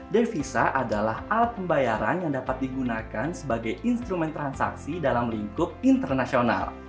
devisa adalah alat pembayaran yang dapat digunakan sebagai instrumen transaksi dalam lingkup internasional